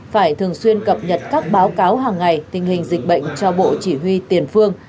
phải thường xuyên cập nhật các báo cáo hàng ngày tình hình dịch bệnh cho bộ chỉ huy tiền phương